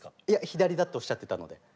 いや左だっておっしゃってたので。